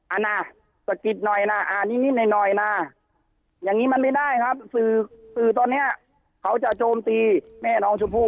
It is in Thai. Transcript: นะสะกิดหน่อยนะอ่านนิดหน่อยนะอย่างนี้มันไม่ได้ครับสื่อสื่อตอนนี้เขาจะโจมตีแม่น้องชมพู่